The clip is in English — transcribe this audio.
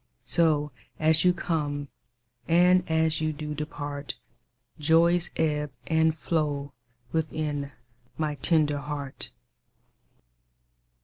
So as you come and as you do depart, Joys ebb and flow within my tender heart.